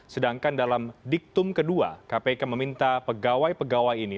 sedangkan dalam diktum kedua kpk meminta pegawai pegawai ini